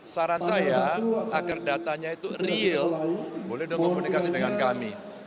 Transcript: saran saya agar datanya itu real boleh dong komunikasi dengan kami